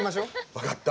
分かった。